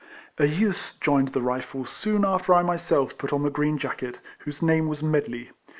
A youth joined the Rifles soon after I my self put on the green jacket, whose name was Medley.